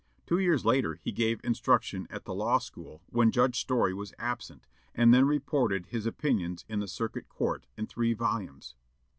Two years later he gave instruction at the law school when Judge Story was absent, and then reported his opinions in the Circuit Court, in three volumes.